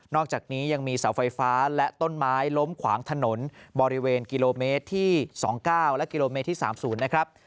อกจากนี้ยังมีเสาไฟฟ้าและต้นไม้ล้มขวางถนนบริเวณกิโลเมตรที่๒๙และกิโลเมตรที่๓๐นะครับ